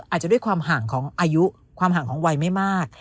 อาจจะด้วยความห่างของอายุความห่างของวัยไม่มาก